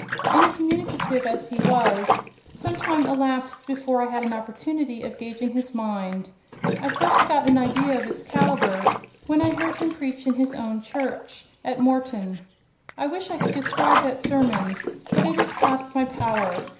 Incommunicative as he was, some time elapsed before I had an opportunity of gauging his mind. I first got an idea of its calibre when I heard him preach in his own church at Morton. I wish I could describe that sermon: but it is past my power.